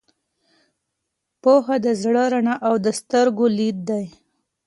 پوهه د زړه رڼا او د سترګو لید دی.